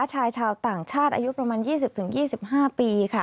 ชายชาวต่างชาติอายุประมาณ๒๐๒๕ปีค่ะ